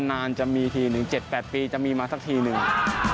นานจะมีทีหนึ่ง๗๘ปีจะมีมาสักทีหนึ่ง